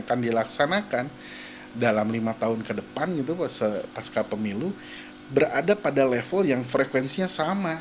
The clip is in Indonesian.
akan dilaksanakan dalam lima tahun ke depan gitu pasca pemilu berada pada level yang frekuensinya sama